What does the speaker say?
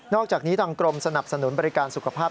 อกจากนี้ทางกรมสนับสนุนบริการสุขภาพ